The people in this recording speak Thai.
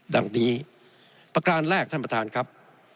ดังนี้ประการแรกท่านประธานครับ